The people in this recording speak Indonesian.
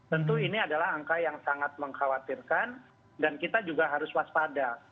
tentu ini adalah angka yang sangat mengkhawatirkan dan kita juga harus waspada